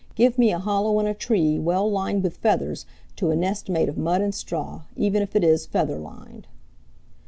Give me a hollow in a tree well lined with feathers to a nest made of mud and straw, even if it is feather lined."